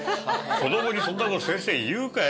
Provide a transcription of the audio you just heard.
子どもにそんなこと先生言うかい？